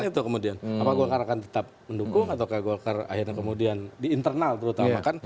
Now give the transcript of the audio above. apakah golkar akan tetap mendukung atau golkar akhirnya kemudian di internal terutama